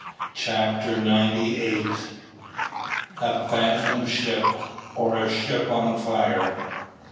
CHAPTER NINETY EIGHT. A PHANTOM SHIP OR A SHIP ON FIRE?